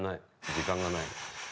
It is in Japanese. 時間がない。